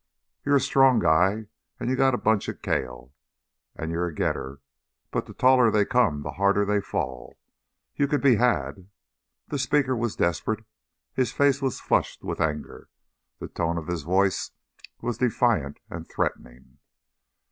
You're a strong guy and you got a bunch of kale, and you're a getter, but the taller they come the harder they fall. You can be had." The speaker was desperate; his face was flushed with anger, the tone of his voice was defiant and threatening.